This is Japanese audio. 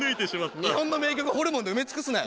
日本の名曲ホルモンで埋め尽くすなよ